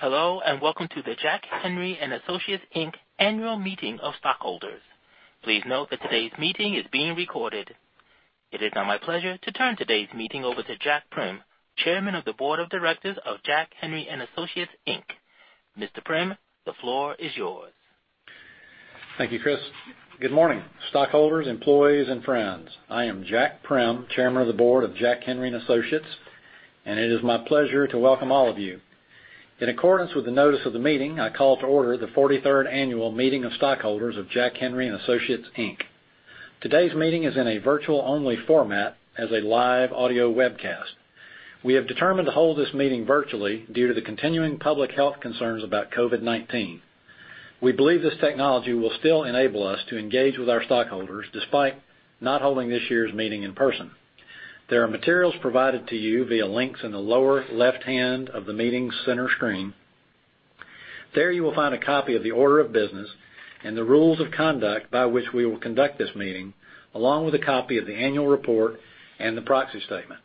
Hello, and welcome to the Jack Henry & Associates Inc. Annual Meeting of Stockholders. Please note that today's meeting is being recorded. It is now my pleasure to turn today's meeting over to Jack Prim, Chairman of the Board of Directors of Jack Henry & Associates Inc. Mr. Prim, the floor is yours. Thank you, Chris. Good morning, stockholders, employees, and friends. I am Jack Prim, Chairman of the Board of Jack Henry & Associates, and it is my pleasure to welcome all of you. In accordance with the notice of the meeting, I call to order the 43rd Annual Meeting of Stockholders of Jack Henry & Associates Inc. Today's meeting is in a virtual-only format as a live audio webcast. We have determined to hold this meeting virtually due to the continuing public health concerns about COVID-19. We believe this technology will still enable us to engage with our stockholders despite not holding this year's meeting in person. There are materials provided to you via links in the lower left hand of the Meeting Center screen. There you will find a copy of the order of business and the rules of conduct by which we will conduct this meeting, along with a copy of the annual report and the proxy statement.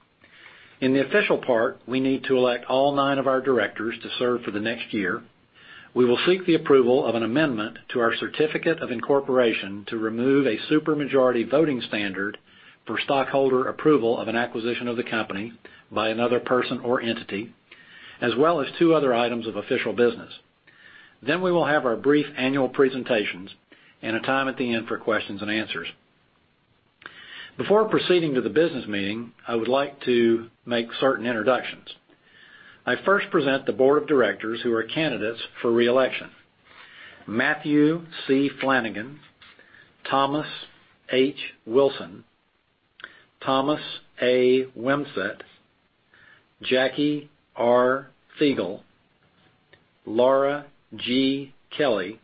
In the official part, we need to elect all nine of our directors to serve for the next year. We will seek the approval of an amendment to our certificate of incorporation to remove a supermajority voting standard for stockholder approval of an acquisition of the company by another person or entity, as well as two other items of official business. Then we will have our brief annual presentations and a time at the end for questions and answers. Before proceeding to the business meeting, I would like to make certain introductions. I first present the board of directors who are candidates for reelection: Matthew C. Flanigan, Thomas H. Wilson, Thomas A. Wimsett, Jacque R. Fiegel. Laura G. Kelly,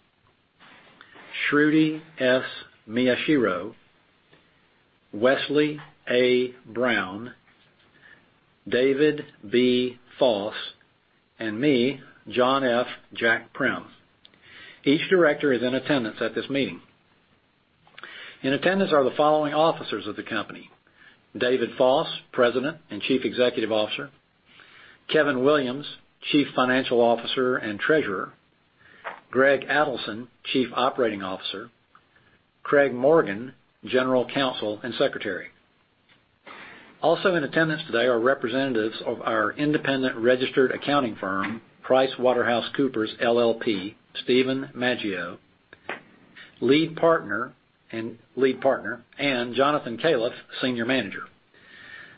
Shruti S. Miyashiro, Wesley A. Brown, David B. Foss, and me, John F. 'Jack' Prim. Each director is in attendance at this meeting. In attendance are the following officers of the company: David B. Foss, President and Chief Executive Officer, Kevin D. Williams, Chief Financial Officer and Treasurer, Greg Adelson, Chief Operating Officer, and Craig R. Morgan, General Counsel and Secretary. Also in attendance today are representatives of our independent registered accounting firm, PricewaterhouseCoopers LLP, Stephen Maggio, Lead Partner, and Jonathan Caleff, Senior Manager.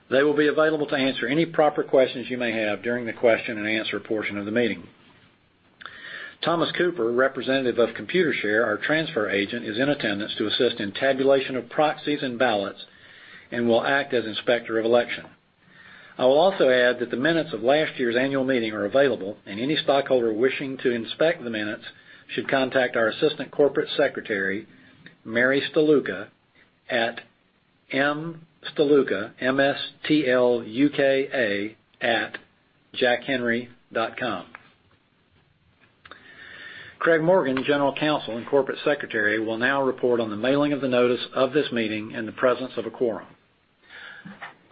They will be available to answer any proper questions you may have during the question and answer portion of the meeting. Thomas Cooper, representative of Computershare, our transfer agent, is in attendance to assist in tabulation of proxies and ballots and will act as inspector of election. I will also add that the minutes of last year's annual meeting are available, and any stockholder wishing to inspect the minutes should contact our Assistant Corporate Secretary, Mary Stluka, at mstluka, M-S-T-L-U-K-A, at jackhenry.com. Craig Morgan, General Counsel and Corporate Secretary, will now report on the mailing of the notice of this meeting in the presence of a quorum.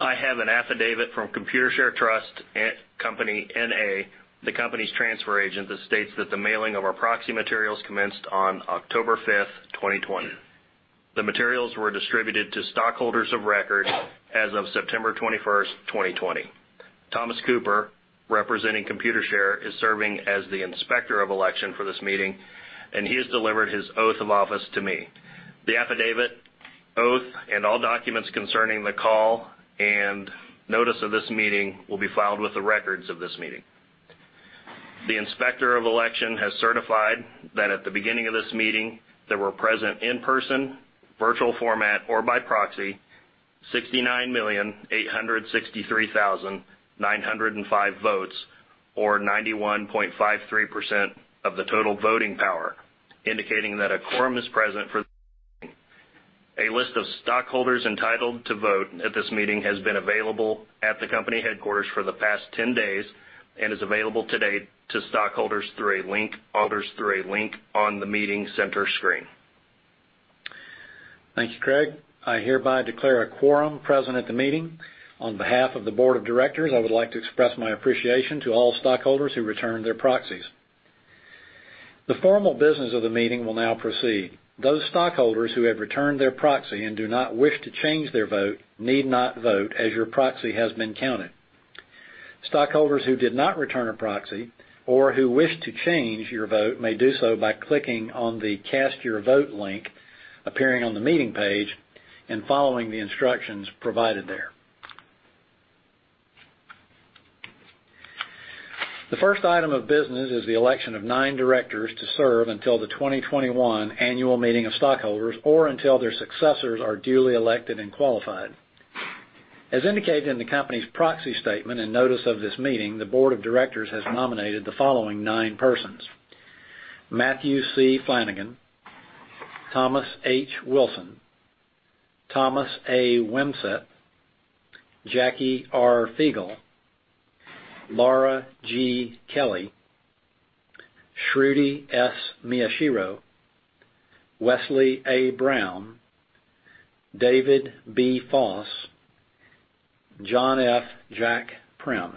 I have an affidavit from Computershare Trust Company, N.A., the company's transfer agent, that states that the mailing of our proxy materials commenced on October 5th, 2020. The materials were distributed to stockholders of record as of September 21st, 2020. Thomas Cooper, representing Computershare, is serving as the inspector of election for this meeting, and he has delivered his oath of office to me. The affidavit, oath, and all documents concerning the call and notice of this meeting will be filed with the records of this meeting. The inspector of election has certified that at the beginning of this meeting there were present in person, virtual format, or by proxy 69,863,905 votes, or 91.53% of the total voting power, indicating that a quorum is present for the meeting. A list of stockholders entitled to vote at this meeting has been available at the company headquarters for the past 10 days and is available today to stockholders through a link on the meeting center screen. Thank you, Craig. I hereby declare a quorum present at the meeting. On behalf of the board of directors, I would like to express my appreciation to all stockholders who returned their proxies. The formal business of the meeting will now proceed. Those stockholders who have returned their proxy and do not wish to change their vote need not vote as your proxy has been counted. Stockholders who did not return a proxy or who wish to change your vote may do so by clicking on the Cast Your Vote link appearing on the meeting page and following the instructions provided there. The first item of business is the election of nine directors to serve until the 2021 annual meeting of stockholders or until their successors are duly elected and qualified. As indicated in the company's proxy statement and notice of this meeting, the board of directors has nominated the following nine persons: Matthew C. Flanigan, Thomas H. Wilson, Thomas A. Wimsett, Jacque R. Fiegel, Laura G. Kelly, Shruti S. Miyashiro, Wesley A. Brown, David B. Foss, Jack Prim.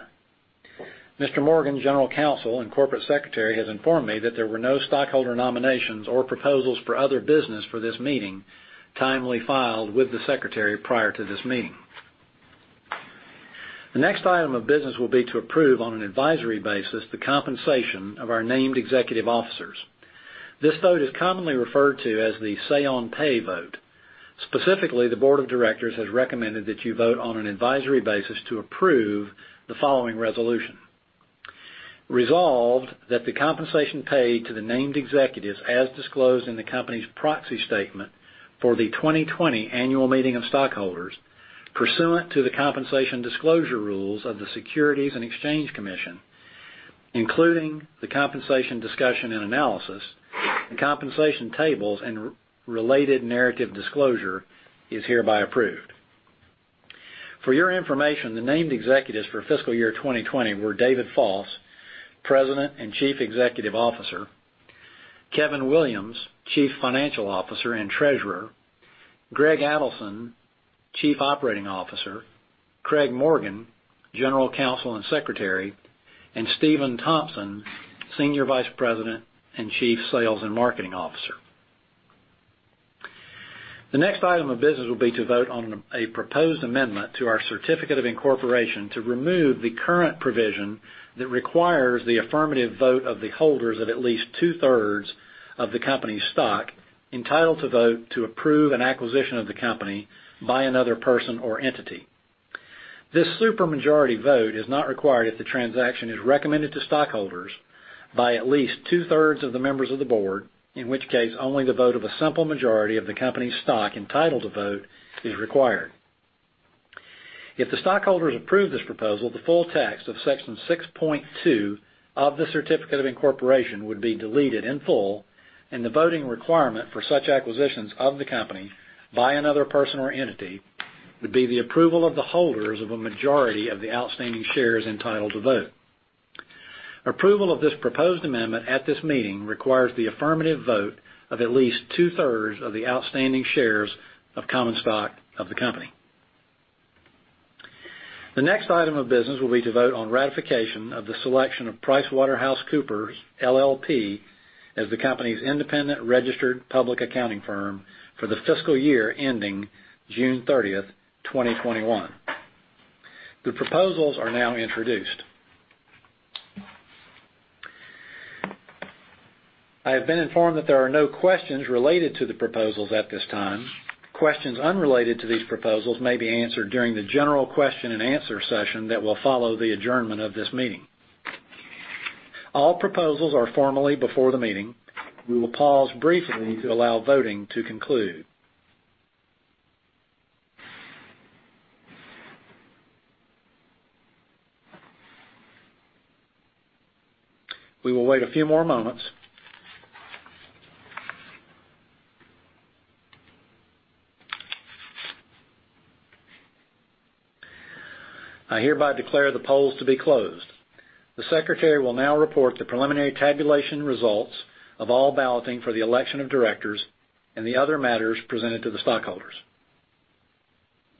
Mr. Morgan, General Counsel and Corporate Secretary, has informed me that there were no stockholder nominations or proposals for other business for this meeting timely filed with the secretary prior to this meeting. The next item of business will be to approve on an advisory basis the compensation of our named executive officers. This vote is commonly referred to as the say-on-pay vote. Specifically, the board of directors has recommended that you vote on an advisory basis to approve the following resolution: Resolved that the compensation paid to the named executives as disclosed in the company's proxy statement for the 2020 annual meeting of stockholders, pursuant to the compensation disclosure rules of the Securities and Exchange Commission, including the compensation discussion and analysis, the compensation tables, and related narrative disclosure, is hereby approved. For your information, the named executives for fiscal year 2020 were David Foss, President and Chief Executive Officer, Kevin Williams, Chief Financial Officer and Treasurer, Greg Adelson, Chief Operating Officer, Craig Morgan, General Counsel and Secretary, and Steven Tomson, Senior Vice President and Chief Sales and Marketing Officer. The next item of business will be to vote on a proposed amendment to our certificate of incorporation to remove the current provision that requires the affirmative vote of the holders of at least two-thirds of the company's stock entitled to vote to approve an acquisition of the company by another person or entity. This supermajority vote is not required if the transaction is recommended to stockholders by at least two-thirds of the members of the board, in which case only the vote of a simple majority of the company's stock entitled to vote is required. If the stockholders approve this proposal, the full text of Section 6.2 of the certificate of incorporation would be deleted in full, and the voting requirement for such acquisitions of the company by another person or entity would be the approval of the holders of a majority of the outstanding shares entitled to vote. Approval of this proposed amendment at this meeting requires the affirmative vote of at least two-thirds of the outstanding shares of common stock of the company. The next item of business will be to vote on ratification of the selection of PricewaterhouseCoopers LLP as the company's independent registered public accounting firm for the fiscal year ending June 30th, 2021. The proposals are now introduced. I have been informed that there are no questions related to the proposals at this time. Questions unrelated to these proposals may be answered during the general question and answer session that will follow the adjournment of this meeting. All proposals are formally before the meeting. We will pause briefly to allow voting to conclude. We will wait a few more moments. I hereby declare the polls to be closed. The secretary will now report the preliminary tabulation results of all balloting for the election of directors and the other matters presented to the stockholders.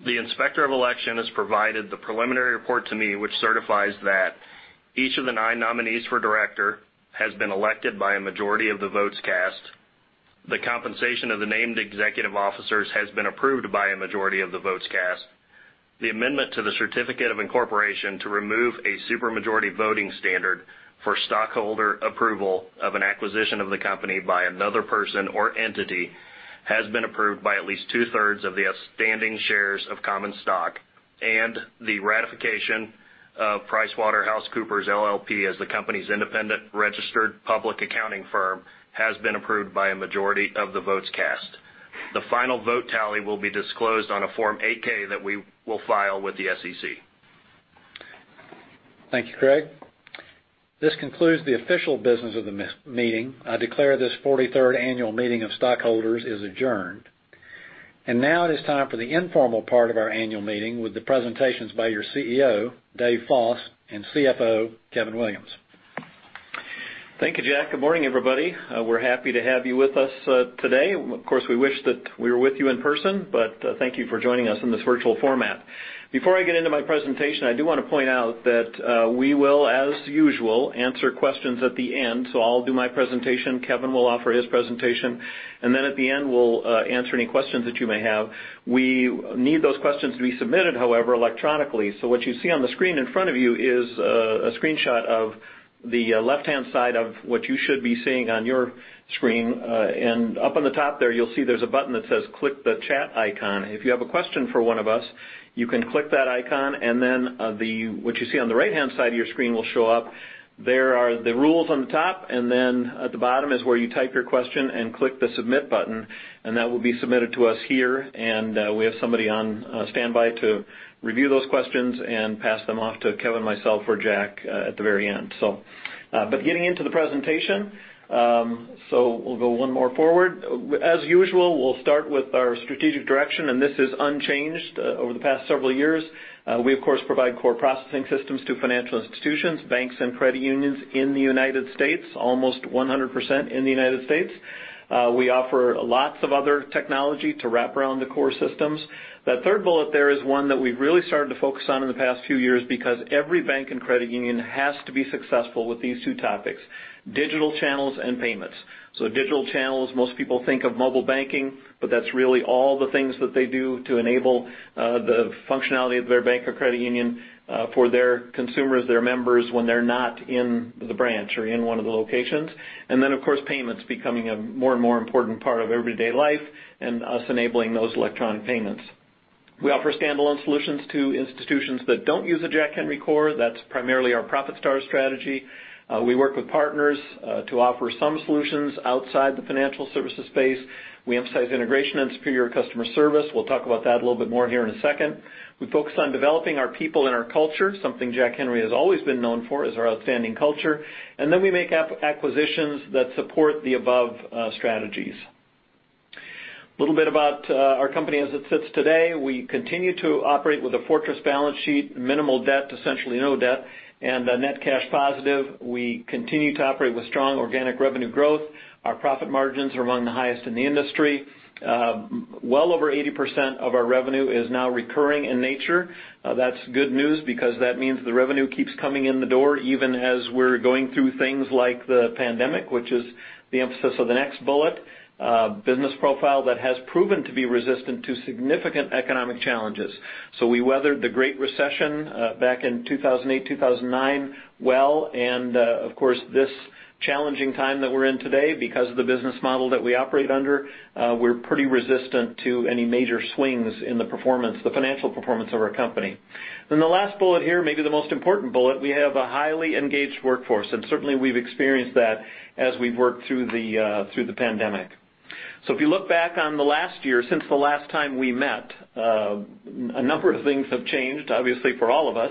The inspector of election has provided the preliminary report to me, which certifies that each of the nine nominees for director has been elected by a majority of the votes cast. The compensation of the named executive officers has been approved by a majority of the votes cast. The amendment to the certificate of incorporation to remove a supermajority voting standard for stockholder approval of an acquisition of the company by another person or entity has been approved by at least two-thirds of the outstanding shares of common stock, and the ratification of PricewaterhouseCoopers LLP as the company's independent registered public accounting firm has been approved by a majority of the votes cast. The final vote tally will be disclosed on a Form 8-K that we will file with the SEC. Thank you, Craig. This concludes the official business of the meeting. I declare this 43rd annual meeting of stockholders is adjourned. And now it is time for the informal part of our annual meeting with the presentations by your CEO, Dave Foss, and CFO, Kevin Williams. Thank you, Jack. Good morning, everybody. We're happy to have you with us today. Of course, we wish that we were with you in person, but thank you for joining us in this virtual format. Before I get into my presentation, I do want to point out that we will, as usual, answer questions at the end. So I'll do my presentation. Kevin will offer his presentation. And then at the end, we'll answer any questions that you may have. We need those questions to be submitted, however, electronically. So what you see on the screen in front of you is a screenshot of the left-hand side of what you should be seeing on your screen. And up on the top there, you'll see there's a button that says Click the Chat icon. If you have a question for one of us, you can click that icon, and then what you see on the right-hand side of your screen will show up. There are the rules on the top, and then at the bottom is where you type your question and click the Submit button, and that will be submitted to us here, and we have somebody on standby to review those questions and pass them off to Kevin, myself, or Jack at the very end. But getting into the presentation, so we'll go one more forward. As usual, we'll start with our strategic direction, and this is unchanged over the past several years. We, of course, provide core processing systems to financial institutions, banks, and credit unions in the United States, almost 100% in the United States. We offer lots of other technology to wrap around the core systems. That third bullet there is one that we've really started to focus on in the past few years because every bank and credit union has to be successful with these two topics: digital channels and payments. So digital channels, most people think of mobile banking, but that's really all the things that they do to enable the functionality of their bank or credit union for their consumers, their members, when they're not in the branch or in one of the locations. And then, of course, payments becoming a more and more important part of everyday life and us enabling those electronic payments. We offer standalone solutions to institutions that don't use a Jack Henry Core. That's primarily our ProfitStars strategy. We work with partners to offer some solutions outside the financial services space. We emphasize integration and superior customer service. We'll talk about that a little bit more here in a second. We focus on developing our people and our culture, something Jack Henry has always been known for as our outstanding culture. And then we make acquisitions that support the above strategies. A little bit about our company as it sits today. We continue to operate with a fortress balance sheet, minimal debt, essentially no debt, and net cash positive. We continue to operate with strong organic revenue growth. Our profit margins are among the highest in the industry. Well over 80% of our revenue is now recurring in nature. That's good news because that means the revenue keeps coming in the door even as we're going through things like the pandemic, which is the emphasis of the next bullet: a business profile that has proven to be resistant to significant economic challenges. So we weathered the Great Recession back in 2008, 2009 well, and of course, this challenging time that we're in today, because of the business model that we operate under, we're pretty resistant to any major swings in the performance, the financial performance of our company. Then the last bullet here, maybe the most important bullet, we have a highly engaged workforce, and certainly we've experienced that as we've worked through the pandemic. So if you look back on the last year, since the last time we met, a number of things have changed, obviously for all of us.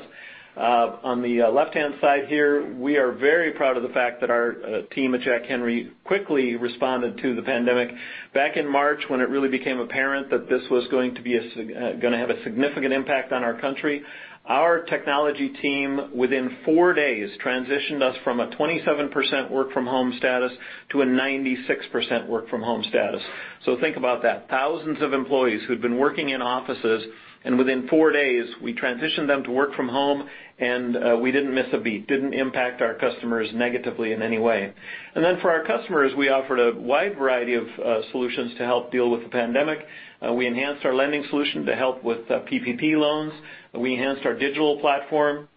On the left-hand side here, we are very proud of the fact that our team at Jack Henry quickly responded to the pandemic. Back in March, when it really became apparent that this was going to have a significant impact on our country, our technology team within four days transitioned us from a 27% work-from-home status to a 96% work-from-home status, so think about that. Thousands of employees who had been working in offices, and within four days, we transitioned them to work from home, and we didn't miss a beat, didn't impact our customers negatively in any way, and then for our customers, we offered a wide variety of solutions to help deal with the pandemic. We enhanced our lending solution to help with PPP loans. We enhanced our digital platform,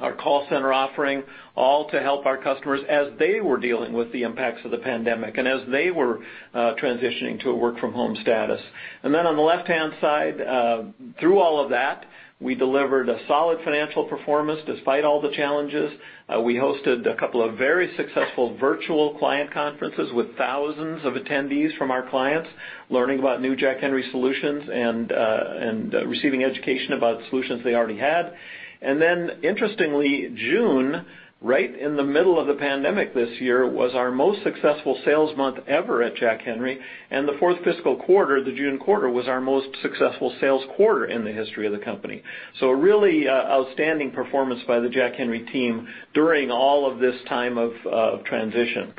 our call center offering, all to help our customers as they were dealing with the impacts of the pandemic and as they were transitioning to a work-from-home status. On the left-hand side, through all of that, we delivered a solid financial performance despite all the challenges. We hosted a couple of very successful virtual client conferences with thousands of attendees from our clients, learning about new Jack Henry solutions and receiving education about solutions they already had. And then, interestingly, June, right in the middle of the pandemic this year, was our most successful sales month ever at Jack Henry, and the fourth fiscal quarter, the June quarter, was our most successful sales quarter in the history of the company. A really outstanding performance by the Jack Henry team during all of this time of transition.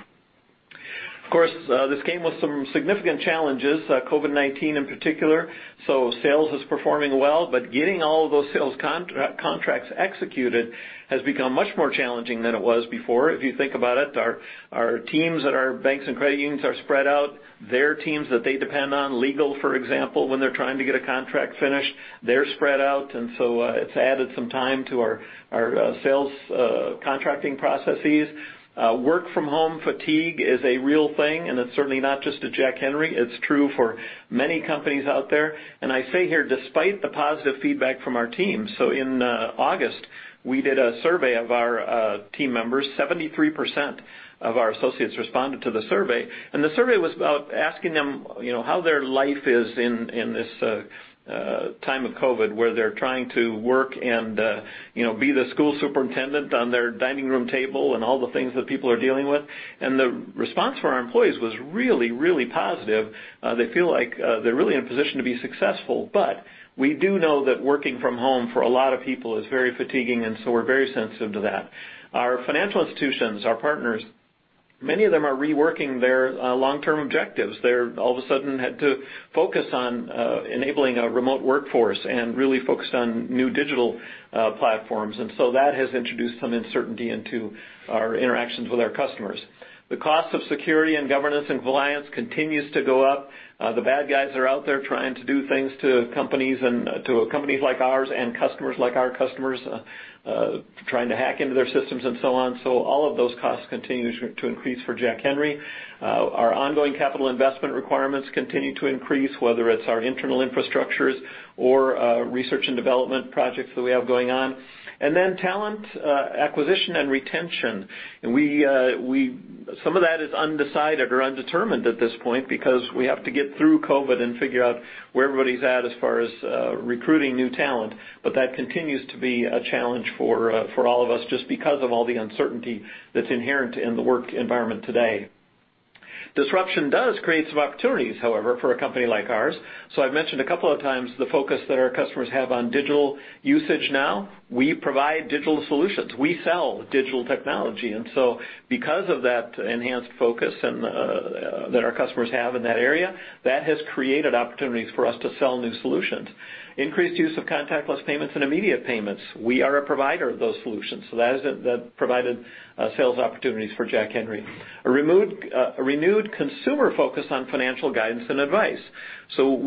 Of course, this came with some significant challenges, COVID-19 in particular. Sales is performing well, but getting all of those sales contracts executed has become much more challenging than it was before. If you think about it, our teams at our banks and credit unions are spread out. Their teams that they depend on, legal, for example, when they're trying to get a contract finished, they're spread out, and so it's added some time to our sales contracting processes. Work-from-home fatigue is a real thing, and it's certainly not just at Jack Henry. It's true for many companies out there, and I say here, despite the positive feedback from our team, so in August, we did a survey of our team members. 73% of our associates responded to the survey, and the survey was about asking them how their life is in this time of COVID where they're trying to work and be the school superintendent on their dining room table and all the things that people are dealing with, and the response for our employees was really, really positive. They feel like they're really in a position to be successful. But we do know that working from home for a lot of people is very fatiguing, and so we're very sensitive to that. Our financial institutions, our partners, many of them are reworking their long-term objectives. They all of a sudden had to focus on enabling a remote workforce and really focused on new digital platforms. And so that has introduced some uncertainty into our interactions with our customers. The cost of security and governance and compliance continues to go up. The bad guys are out there trying to do things to companies and to companies like ours and customers like our customers trying to hack into their systems and so on. So all of those costs continue to increase for Jack Henry. Our ongoing capital investment requirements continue to increase, whether it's our internal infrastructures or research and development projects that we have going on, and then talent acquisition and retention. Some of that is undecided or undetermined at this point because we have to get through COVID and figure out where everybody's at as far as recruiting new talent, but that continues to be a challenge for all of us just because of all the uncertainty that's inherent in the work environment today. Disruption does create some opportunities, however, for a company like ours, so I've mentioned a couple of times the focus that our customers have on digital usage now. We provide digital solutions. We sell digital technology. And so because of that enhanced focus that our customers have in that area, that has created opportunities for us to sell new solutions. Increased use of contactless payments and immediate payments. We are a provider of those solutions. So that has provided sales opportunities for Jack Henry. A renewed consumer focus on financial guidance and advice. So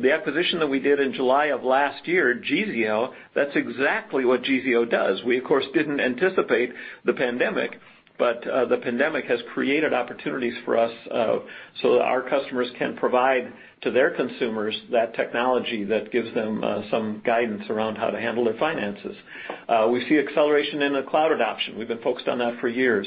the acquisition that we did in July of last year, Geezeo, that's exactly what Geezeo does. We, of course, didn't anticipate the pandemic, but the pandemic has created opportunities for us so that our customers can provide to their consumers that technology that gives them some guidance around how to handle their finances. We see acceleration in the cloud adoption. We've been focused on that for years.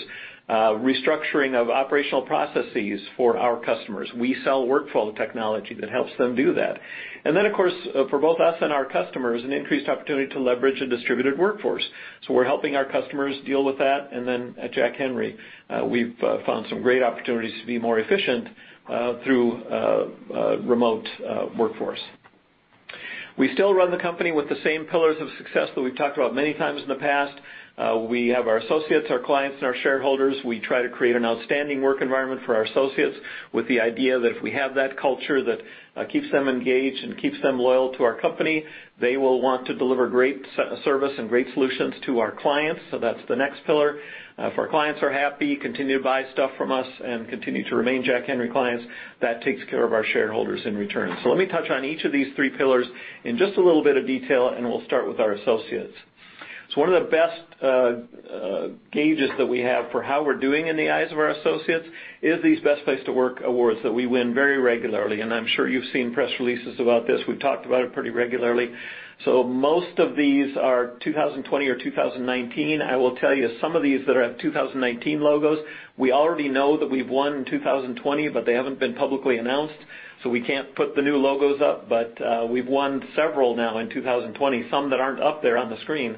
Restructuring of operational processes for our customers. We sell workflow technology that helps them do that. And then, of course, for both us and our customers, an increased opportunity to leverage a distributed workforce. So we're helping our customers deal with that. And then at Jack Henry, we've found some great opportunities to be more efficient through remote workforce. We still run the company with the same pillars of success that we've talked about many times in the past. We have our associates, our clients, and our shareholders. We try to create an outstanding work environment for our associates with the idea that if we have that culture that keeps them engaged and keeps them loyal to our company, they will want to deliver great service and great solutions to our clients. So that's the next pillar. If our clients are happy, continue to buy stuff from us and continue to remain Jack Henry clients, that takes care of our shareholders in return. So let me touch on each of these three pillars in just a little bit of detail, and we'll start with our associates. One of the best gauges that we have for how we're doing in the eyes of our associates is these Best Place to Work awards that we win very regularly. And I'm sure you've seen press releases about this. We've talked about it pretty regularly. So most of these are 2020 or 2019. I will tell you some of these that are 2019 logos. We already know that we've won in 2020, but they haven't been publicly announced, so we can't put the new logos up. But we've won several now in 2020, some that aren't up there on the screen.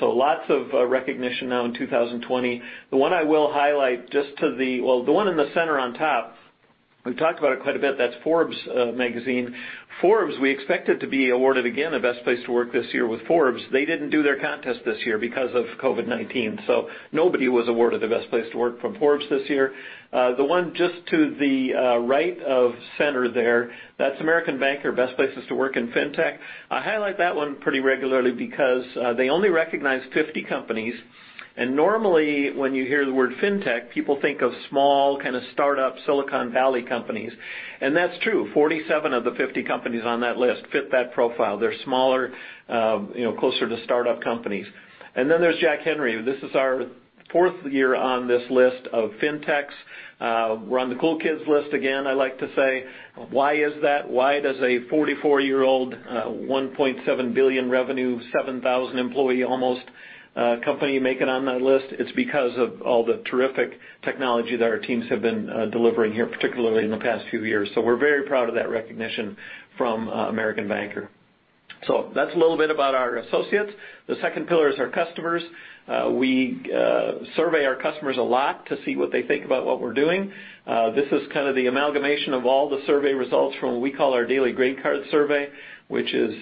So lots of recognition now in 2020. The one I will highlight just to the, well, the one in the center on top, we've talked about it quite a bit. That's Forbes magazine. Forbes, we expected to be awarded again a Best Place to Work this year with Forbes. They didn't do their contest this year because of COVID-19. So nobody was awarded the Best Place to Work from Forbes this year. The one just to the right of center there, that's American Banker, Best Places to Work in Fintech. I highlight that one pretty regularly because they only recognize 50 companies. And normally, when you hear the word fintech, people think of small kind of startup Silicon Valley companies. And that's true. 47 of the 50 companies on that list fit that profile. They're smaller, closer to startup companies. And then there's Jack Henry. This is our fourth year on this list of fintechs. We're on the cool kids list again, I like to say. Why is that? Why does a 44-year-old, $1.7 billion revenue, 7,000-employee company make it on that list? It's because of all the terrific technology that our teams have been delivering here, particularly in the past few years. So we're very proud of that recognition from American Banker. So that's a little bit about our associates. The second pillar is our customers. We survey our customers a lot to see what they think about what we're doing. This is kind of the amalgamation of all the survey results from what we call our Daily Grade Card survey, which is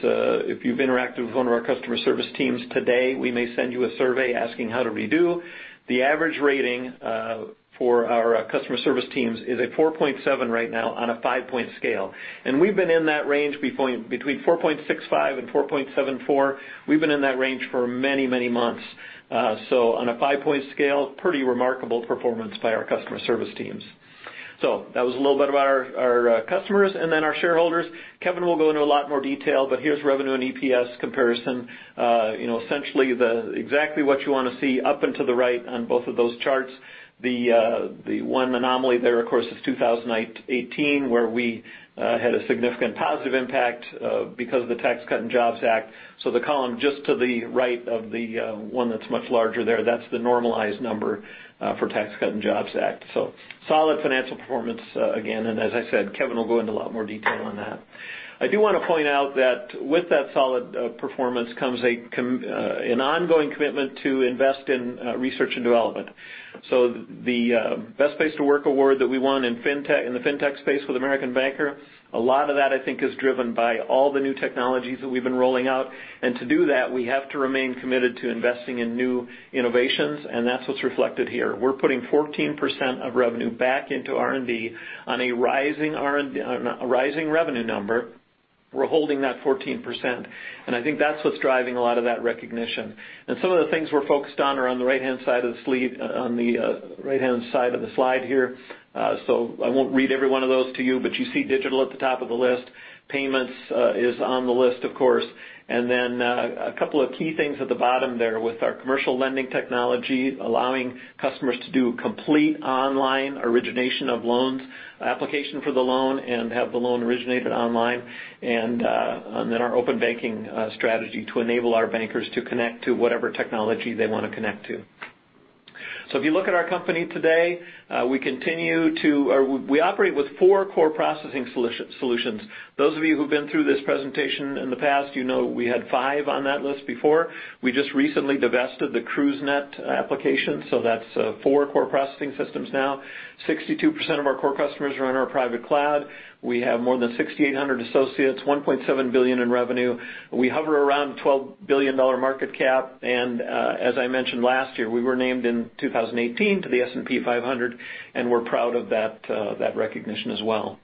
if you've interacted with one of our customer service teams today, we may send you a survey asking how'd you do. The average rating for our customer service teams is a 4.7 right now on a five-point scale. And we've been in that range between 4.65 and 4.74. We've been in that range for many, many months. So on a five-point scale, pretty remarkable performance by our customer service teams. So that was a little bit about our customers and then our shareholders. Kevin will go into a lot more detail, but here's revenue and EPS comparison. Essentially, the exactly what you want to see up and to the right on both of those charts. The one anomaly there, of course, is 2018, where we had a significant positive impact because of the Tax Cuts and Jobs Act. So the column just to the right of the one that's much larger there, that's the normalized number for Tax Cuts and Jobs Act. So solid financial performance again. And as I said, Kevin will go into a lot more detail on that. I do want to point out that with that solid performance comes an ongoing commitment to invest in research and development, so the Best Place to Work award that we won in the Fintech space with American Banker, a lot of that, I think, is driven by all the new technologies that we've been rolling out, and to do that, we have to remain committed to investing in new innovations, and that's what's reflected here. We're putting 14% of revenue back into R&D on a rising revenue number. We're holding that 14%, and I think that's what's driving a lot of that recognition, and some of the things we're focused on are on the right-hand side of the sleeve, on the right-hand side of the slide here, so I won't read every one of those to you, but you see digital at the top of the list. Payments is on the list, of course. And then a couple of key things at the bottom there with our commercial lending technology, allowing customers to do complete online origination of loans, application for the loan, and have the loan originated online. And then our open banking strategy to enable our bankers to connect to whatever technology they want to connect to. So if you look at our company today, we continue to operate with four core processing solutions. Those of you who've been through this presentation in the past, you know we had five on that list before. We just recently divested the CruiseNet application. So that's four core processing systems now. 62% of our core customers are on our private cloud. We have more than 6,800 associates, $1.7 billion in revenue. We hover around $12 billion market cap. As I mentioned last year, we were named in 2018 to the S&P 500, and we're proud of that recognition as well.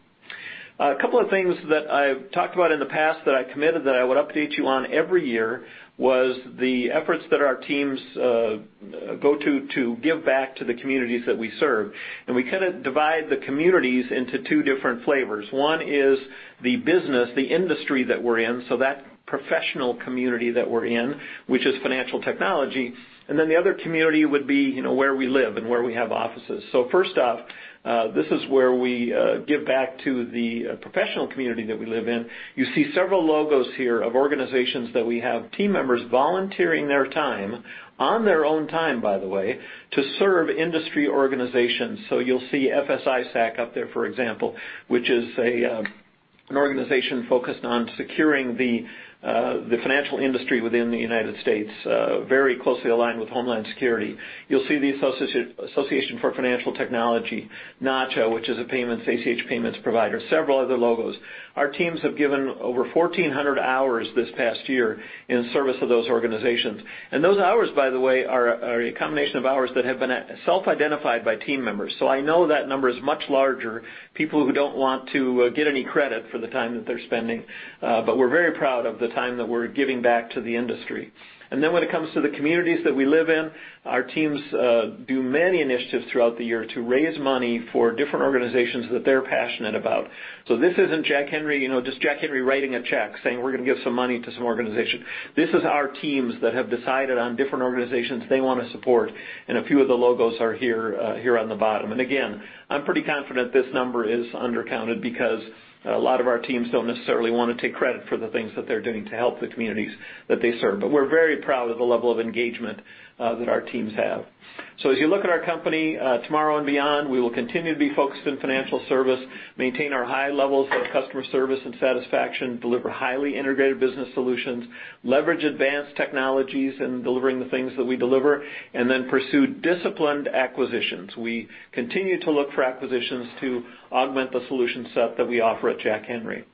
A couple of things that I've talked about in the past that I committed that I would update you on every year was the efforts that our teams go to give back to the communities that we serve. We kind of divide the communities into two different flavors. One is the business, the industry that we're in, so that professional community that we're in, which is financial technology. Then the other community would be where we live and where we have offices. First off, this is where we give back to the professional community that we live in. You see several logos here of organizations that we have team members volunteering their time, on their own time, by the way, to serve industry organizations. You'll see FS-ISAC up there, for example, which is an organization focused on securing the financial industry within the United States, very closely aligned with Homeland Security. You'll see the Association for Financial Technology, Nacha, which is a ACH payments provider, several other logos. Our teams have given over 1,400 hours this past year in service of those organizations. And those hours, by the way, are a combination of hours that have been self-identified by team members. So I know that number is much larger, people who don't want to get any credit for the time that they're spending. But we're very proud of the time that we're giving back to the industry. And then when it comes to the communities that we live in, our teams do many initiatives throughout the year to raise money for different organizations that they're passionate about. So this isn't just Jack Henry writing a check saying, "We're going to give some money to some organization." This is our teams that have decided on different organizations they want to support. And a few of the logos are here on the bottom. And again, I'm pretty confident this number is undercounted because a lot of our teams don't necessarily want to take credit for the things that they're doing to help the communities that they serve. But we're very proud of the level of engagement that our teams have. So as you look at our company tomorrow and beyond, we will continue to be focused in financial service, maintain our high levels of customer service and satisfaction, deliver highly integrated business solutions, leverage advanced technologies in delivering the things that we deliver, and then pursue disciplined acquisitions. We continue to look for acquisitions to augment the solution set that we offer at Jack Henry.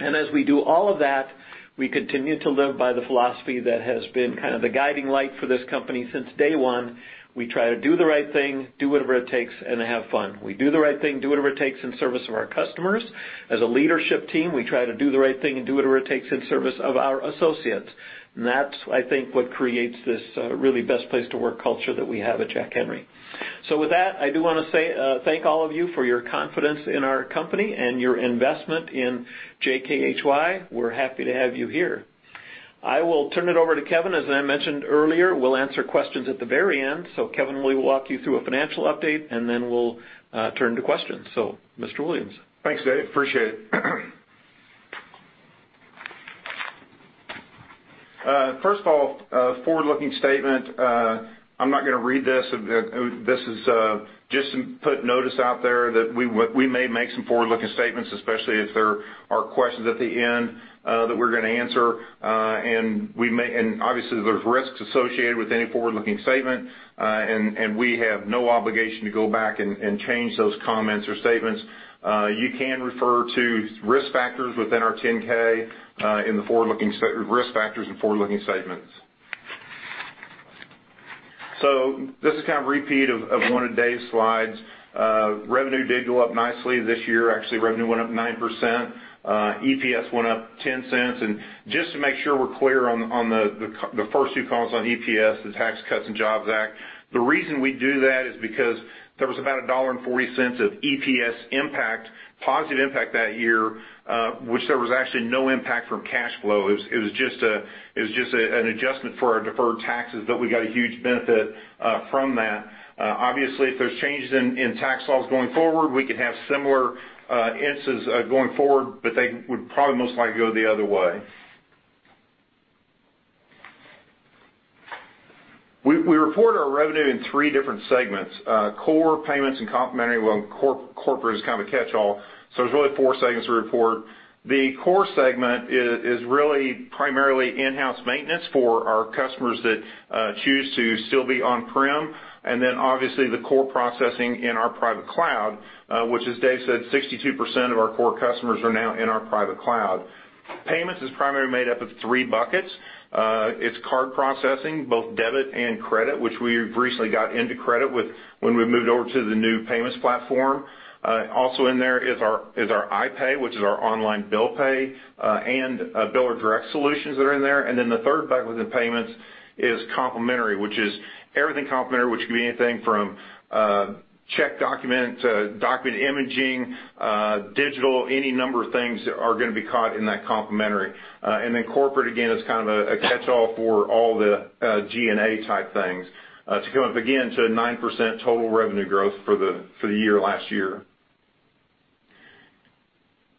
And as we do all of that, we continue to live by the philosophy that has been kind of the guiding light for this company since day one. We try to do the right thing, do whatever it takes, and have fun. We do the right thing, do whatever it takes in service of our customers. As a leadership team, we try to do the right thing and do whatever it takes in service of our associates. And that's, I think, what creates this really Best Place to Work culture that we have at Jack Henry. So with that, I do want to thank all of you for your confidence in our company and your investment in JKHY. We're happy to have you here. I will turn it over to Kevin. As I mentioned earlier, we'll answer questions at the very end. So Kevin will walk you through a financial update, and then we'll turn to questions. So Mr. Williams. Thanks, David. Appreciate it. First of all, forward-looking statement. I'm not going to read this. This is just to put notice out there that we may make some forward-looking statements, especially if there are questions at the end that we're going to answer. And obviously, there's risks associated with any forward-looking statement, and we have no obligation to go back and change those comments or statements. You can refer to risk factors within our 10-K in the forward-looking risk factors and forward-looking statements. So this is kind of a repeat of one of Dave's slides. Revenue did go up nicely this year. Actually, revenue went up 9%. EPS went up $0.10. And just to make sure we're clear on the first two columns on EPS, the Tax Cuts and Jobs Act. The reason we do that is because there was about $1.40 of EPS impact, positive impact that year, which there was actually no impact from cash flow. It was just an adjustment for our deferred taxes that we got a huge benefit from that. Obviously, if there's changes in tax laws going forward, we could have similar instances going forward, but they would probably most likely go the other way. We report our revenue in three different segments: core, payments, and complementary, well, corporate is kind of a catch-all. So there's really four segments we report. The core segment is really primarily in-house maintenance for our customers that choose to still be on-prem, and then obviously, the core processing in our private cloud, which is, Dave said, 62% of our core customers are now in our private cloud. Payments is primarily made up of three buckets. It's card processing, both debit and credit, which we recently got into credit with when we moved over to the new payments platform. Also in there is our iPay, which is our online bill pay, and Biller Direct solutions that are in there. Then the third bucket within payments is complementary, which is everything complementary, which could be anything from check documents, document imaging, digital, any number of things that are going to be caught in that complementary. Then corporate, again, is kind of a catch-all for all the G&A type things to come up again to 9% total revenue growth for the year last year.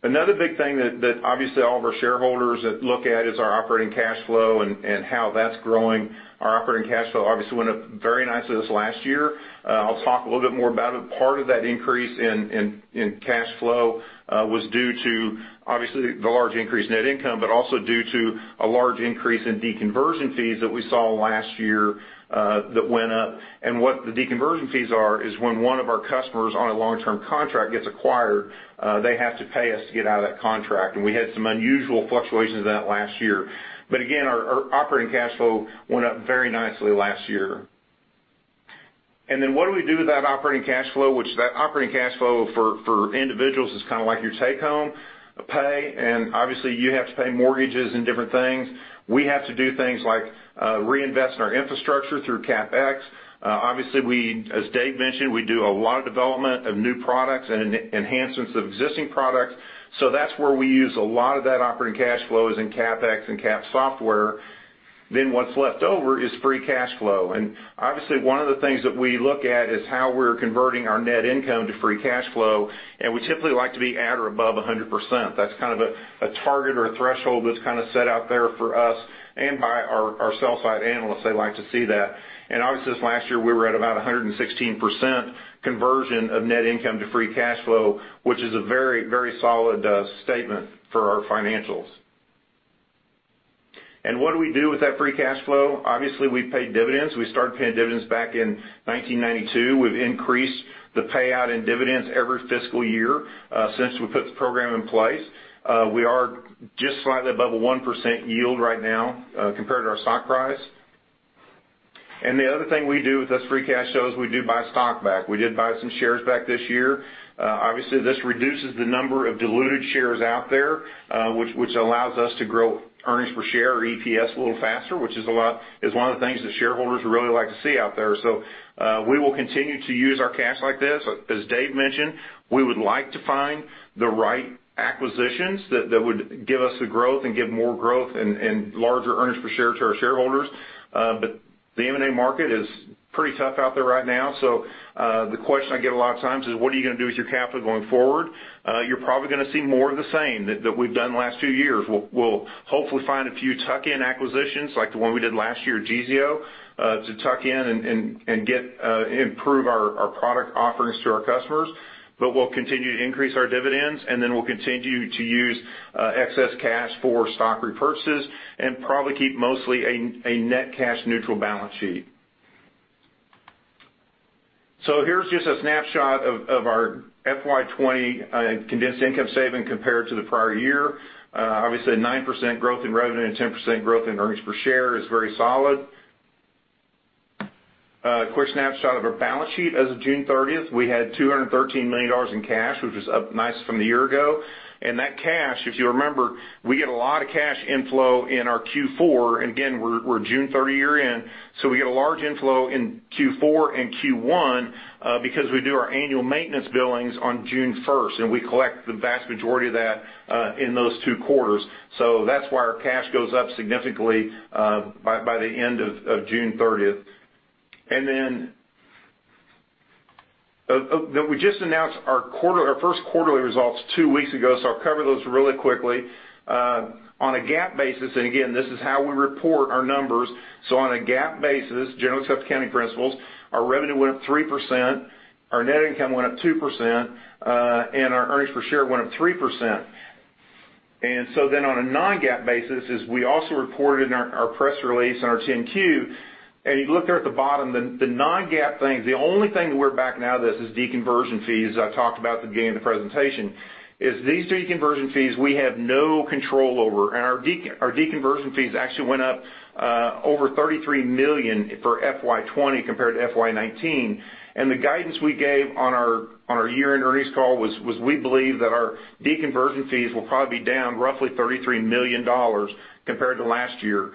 Another big thing that obviously all of our shareholders look at is our operating cash flow and how that's growing. Our operating cash flow obviously went up very nicely this last year. I'll talk a little bit more about it. Part of that increase in cash flow was due to, obviously, the large increase in net income, but also due to a large increase in deconversion fees that we saw last year that went up. And what the deconversion fees are is, when one of our customers on a long-term contract gets acquired, they have to pay us to get out of that contract. And we had some unusual fluctuations in that last year. But again, our operating cash flow went up very nicely last year. And then what do we do with that operating cash flow? That operating cash flow for individuals is kind of like your take-home pay. And obviously, you have to pay mortgages and different things. We have to do things like reinvest in our infrastructure through CapEx. Obviously, as Dave mentioned, we do a lot of development of new products and enhancements of existing products. So that's where we use a lot of that operating cash flow is in CapEx and Cap Software. Then what's left over is free cash flow. And obviously, one of the things that we look at is how we're converting our net income to free cash flow. And we typically like to be at or above 100%. That's kind of a target or a threshold that's kind of set out there for us and by our sell-side analysts. They like to see that. And obviously, this last year, we were at about 116% conversion of net income to free cash flow, which is a very, very solid statement for our financials. And what do we do with that free cash flow? Obviously, we've paid dividends. We started paying dividends back in 1992. We've increased the payout in dividends every fiscal year since we put the program in place. We are just slightly above a 1% yield right now compared to our stock price. And the other thing we do with this free cash flow is we do buy stock back. We did buy some shares back this year. Obviously, this reduces the number of diluted shares out there, which allows us to grow earnings per share or EPS a little faster, which is one of the things that shareholders really like to see out there. So we will continue to use our cash like this. As Dave mentioned, we would like to find the right acquisitions that would give us the growth and give more growth and larger earnings per share to our shareholders. But the M&A market is pretty tough out there right now. So the question I get a lot of times is, "What are you going to do with your capital going forward?" You're probably going to see more of the same that we've done the last two years. We'll hopefully find a few tuck-in acquisitions like the one we did last year, Geezeo, to tuck in and improve our product offerings to our customers. But we'll continue to increase our dividends, and then we'll continue to use excess cash for stock repurchases and probably keep mostly a net cash-neutral balance sheet. So here's just a snapshot of our FY20 condensed income statement compared to the prior year. Obviously, 9% growth in revenue and 10% growth in earnings per share is very solid. Quick snapshot of our balance sheet. As of June 30th, we had $213 million in cash, which was up nice from the year ago. That cash, if you remember, we get a lot of cash inflow in our Q4. And again, we're a June 30 year-end. So we get a large inflow in Q4 and Q1 because we do our annual maintenance billings on June 1st, and we collect the vast majority of that in those two quarters. So that's why our cash goes up significantly by the end of June 30th. And then we just announced our first quarterly results two weeks ago. So I'll cover those really quickly. On a GAAP basis, and again, this is how we report our numbers. So on a GAAP basis, Generally Accepted Accounting Principles, our revenue went up 3%, our net income went up 2%, and our earnings per share went up 3%. And so then on a non-GAAP basis, we also reported in our press release and our 10-Q. You look there at the bottom, the non-GAAP things. The only thing that we're backing out of this is deconversion fees, as I talked about at the beginning of the presentation. These deconversion fees we have no control over. Our deconversion fees actually went up over $33 million for FY20 compared to FY19. The guidance we gave on our year-end earnings call was we believe that our deconversion fees will probably be down roughly $33 million compared to last year.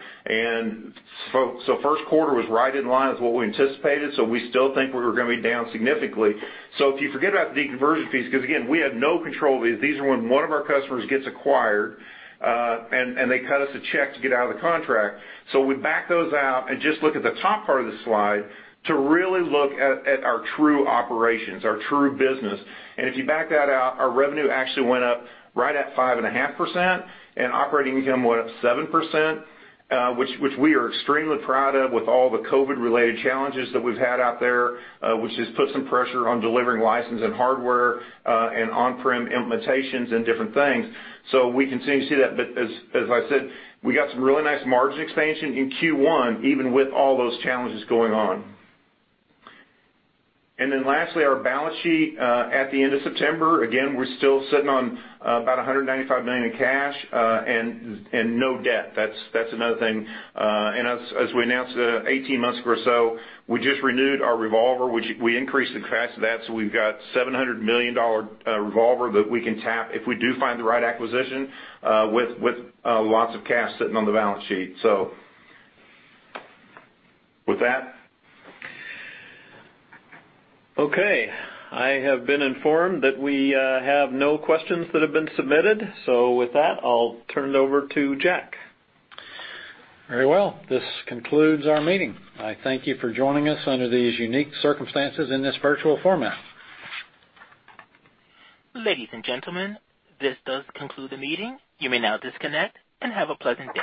First quarter was right in line with what we anticipated. We still think we were going to be down significantly. If you forget about the deconversion fees, because again, we have no control of these. These are when one of our customers gets acquired and they cut us a check to get out of the contract. So we back those out and just look at the top part of the slide to really look at our true operations, our true business. And if you back that out, our revenue actually went up right at 5.5%, and operating income went up 7%, which we are extremely proud of with all the COVID-related challenges that we've had out there, which has put some pressure on delivering licenses and hardware and on-prem implementations and different things. So we continue to see that. But as I said, we got some really nice margin expansion in Q1, even with all those challenges going on. And then lastly, our balance sheet at the end of September, again, we're still sitting on about $195 million in cash and no debt. That's another thing. And as we announced 18 months ago, so we just renewed our revolver, which we increased the capacity of that. So we've got a $700 million revolver that we can tap if we do find the right acquisition with lots of cash sitting on the balance sheet. So with that. Okay. I have been informed that we have no questions that have been submitted. So with that, I'll turn it over to Jack. Very well. This concludes our meeting. I thank you for joining us under these unique circumstances in this virtual format. Ladies and gentlemen, this does conclude the meeting. You may now disconnect and have a pleasant day.